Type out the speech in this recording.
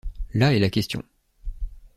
Là est la question.